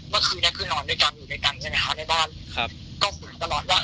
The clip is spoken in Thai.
เมื่อคืนนี้คือนอนด้วยกันอยู่ด้วยกันใช่ไหมคะในบ้านครับก็คุยตลอดว่า